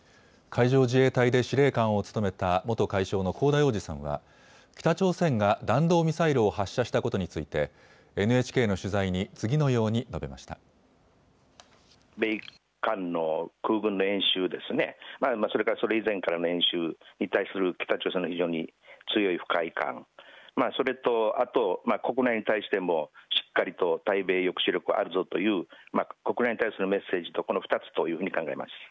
海上自衛隊で司令官を務めた元海将の香田洋二さんは、北朝鮮が弾道ミサイルを発射したことについて、ＮＨＫの取材に次のよう米韓の空軍の演習ですね、それからそれ以前からの演習に対する北朝鮮の非常に強い不快感、それとあと、国内に対してもしっかりと対米抑止力あるぞという、国内に対するメッセージと、この２つというふうに考えます。